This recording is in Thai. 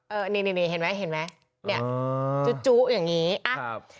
เออนี่นี่เห็นไหมเห็นไหมเนี่ยจุจุอย่างงี้อ่ะครับ